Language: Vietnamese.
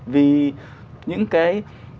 vì những cái